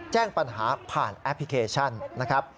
แจ้งปัญหาผ่านแอปพลิเคชันนะครับ